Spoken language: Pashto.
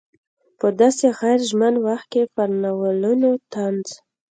په داسې غیر ژمن وخت کې پر ناولونو طنز.